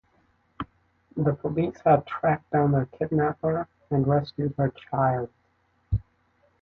The police had tracked down the kidnapper and rescued her child.